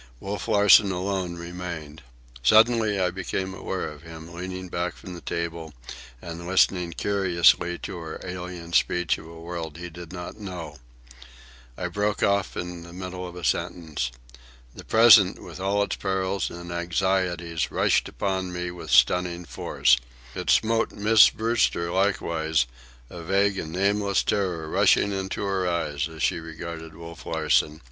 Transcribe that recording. Wolf Larsen alone remained. Suddenly I became aware of him, leaning back from the table and listening curiously to our alien speech of a world he did not know. I broke short off in the middle of a sentence. The present, with all its perils and anxieties, rushed upon me with stunning force. It smote Miss Brewster likewise, a vague and nameless terror rushing into her eyes as she regarded Wolf Larsen.